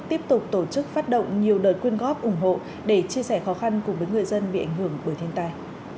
tiếp tục tổ chức phát động nhiều đời quyên góp ủng hộ để chia sẻ khó khăn cùng với người dân bị ảnh hưởng bởi thiên tai